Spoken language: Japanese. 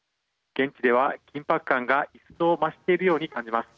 現地では緊迫感が一層増しているように感じます。